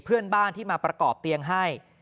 เพื่อนบ้านที่มาประกอบเตียงให้